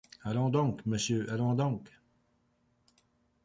Allons donc ! monsieur, allons donc !